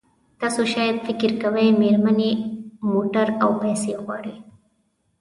تاسو شاید فکر کوئ مېرمنې موټر او پیسې غواړي.